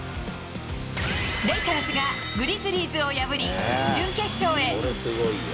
レイカーズがグリズリーズを破り、準決勝へ。